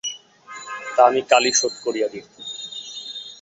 তা আমি কালই শােধ করিয়া দিব!